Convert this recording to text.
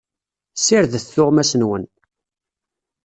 Ssirdet tuɣmas-nwen.